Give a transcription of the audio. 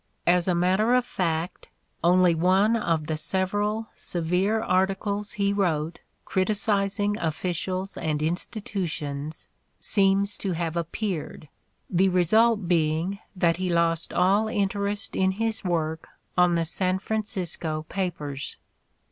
As a matter of fact, "only one of the several severe articles he wrote criticising offi cials and institutions seems to have appeared," the re sult being that he lost all interest in his work on the San Francisco papers.